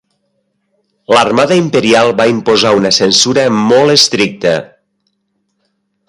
L'Armada Imperial va imposar una censura molt estricta.